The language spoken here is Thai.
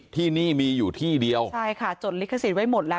ที่นี่มีอยู่ที่เดียวใช่ค่ะจดลิขสิทธิ์ไว้หมดแล้ว